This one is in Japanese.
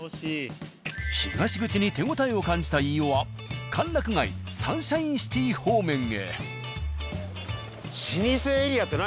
東口に手応えを感じた飯尾は歓楽街サンシャインシティ方面へ。